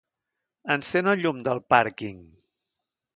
Encén el llum del pàrquing.